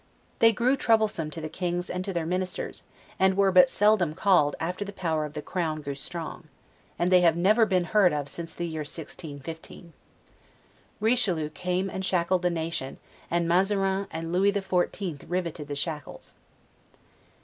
They grew troublesome to the kings and to their ministers, and were but seldom called after the power of the Crown grew strong; and they have never been heard of since the year 1615. Richelieu came and shackled the nation, and Mazarin and Lewis the Fourteenth riveted the shackles.